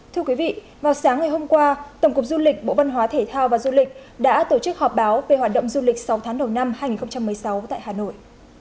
thưa quý vị vào sáng ngày hôm qua tổng cục du lịch bộ văn hóa thể thao và du lịch đã tổ chức họp báo về hoạt động du lịch sáu tháng đầu năm hai nghìn một mươi sáu tại hà nội